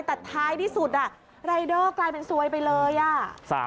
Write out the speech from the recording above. แต่ท้ายที่สุดรายเดอร์กลายเป็นซวยไปเลยอ่ะ